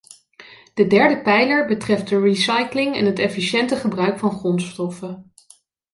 De derde pijler betreft de recycling en het efficiënte gebruik van grondstoffen.